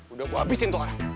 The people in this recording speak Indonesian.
udah gue habisin tuh orang